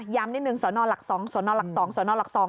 ย้ำนิดหนึ่งสอนอลักษ้องสอนอลักษ้องสอนอลักษ้อง